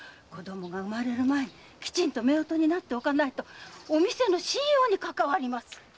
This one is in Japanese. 子供が産まれる前にきちんと夫婦になっておかないとお店の信用にかかわります。